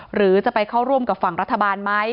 หรือจะไปเข้าร่วมกับฝั่งรัฐบาลไหม